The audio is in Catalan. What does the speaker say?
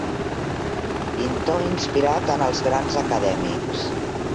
Pintor inspirat en els grans acadèmics.